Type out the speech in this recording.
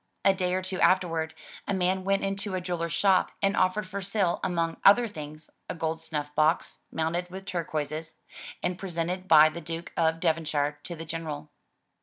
A day or two afterward, a man went into a jeweler's shop and offered for sale, among other things, a gold snuff box, mounted with turquoises, and presented by the Duke of Devonshire to the General.